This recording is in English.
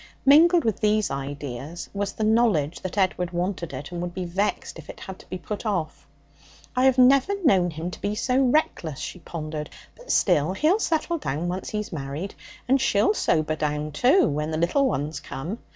Mingled with these ideas was the knowledge that Edward wanted it, would be 'vexed' if it had to be put off. 'I have never known him to be so reckless,' she pondered. 'But still, he'll settle down once he's married. And she'll sober down, too, when the little ones come.